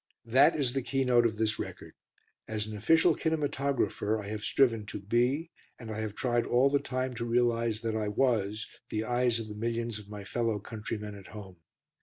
That is the keynote of this record. As an Official Kinematographer I have striven to be, and I have tried all the time to realise that I was the eyes of the millions of my fellow countrymen at home.